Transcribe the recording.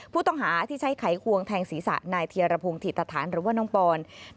ผู้ต้องหาที่ใช้ไขควงแทงศีรษะนายเทียรพงศ์ถิตฐานหรือว่าน้องปอน